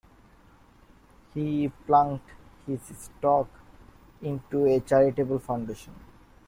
He plunked his stock into a charitable foundation.